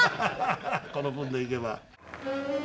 この分でいけば。